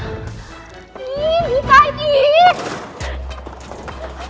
ih buka aja